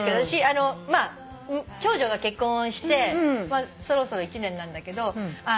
私長女が結婚してそろそろ１年なんだけど。